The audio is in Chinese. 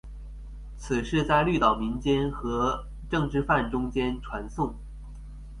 此事在绿岛民间和政治犯中间传诵。